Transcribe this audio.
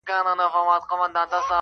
راتلو کي به معیوبه زموږ ټوله جامعه وي,